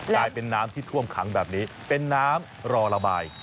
กลายเป็นน้ำที่ท่วมขังแบบนี้เป็นน้ำรอระบาย